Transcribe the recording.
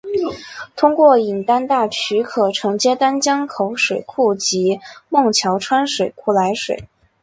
通过引丹大渠可承接丹江口水库及孟桥川水库来水。